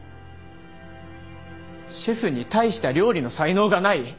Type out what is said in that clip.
シェフに大した料理の才能がない？